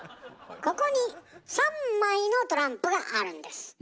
ここに３枚のトランプがあるんです。